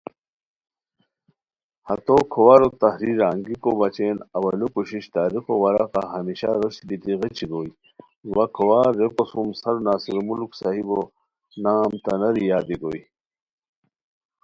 ہتو کھوارو تحریرا انگیکو بچین اولو کوشش تاریخو ورقہ ہمیشہ روشت بیتی غیچی گوئے وا کھوار ریکو سُم سرناصرالملک صاحبو نام تناری یادی گوئے